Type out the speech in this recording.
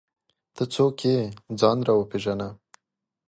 ته څوک یې ؟ ځان راوپېژنه!